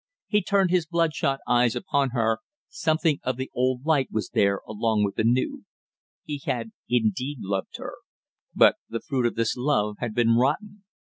He turned his bloodshot eyes upon her, something of the old light was there along with the new; he had indeed loved her, but the fruit of this love had been rotten.